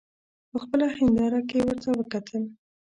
په خپله هینداره کې ورته وکتل.